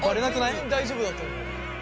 全然大丈夫だと思う。